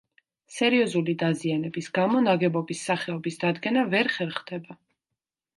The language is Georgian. სერიოზული დაზიანების გამო ნაგებობის სახეობის დადგენა ვერ ხერხდება.